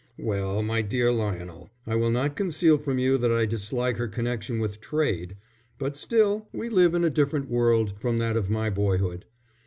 "Well, my dear Lionel, I will not conceal from you that I dislike her connection with trade, but still we live in a different world from that of my boyhood.